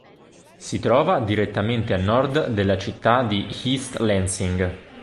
Si trova direttamente a nord della città di East Lansing.